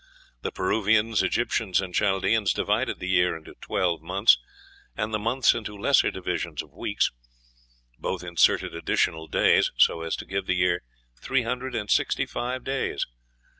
The Peruvians, Egyptians, and Chaldeans divided the year into twelve months, and the months into lesser divisions of weeks. Both inserted additional days, so as to give the year three hundred and sixty five days.